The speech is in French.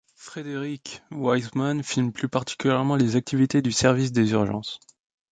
Frederick Wiseman filme plus particulièrement les activités du service des urgences.